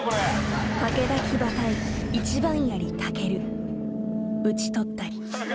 ［武田騎馬隊一番やりたける。討ち取ったり］